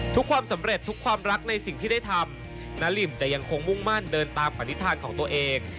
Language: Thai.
ความสำเร็จทุกความรักในสิ่งที่ได้ทำนาริมจะยังคงมุ่งมั่นเดินตามปณิธานของตัวเอง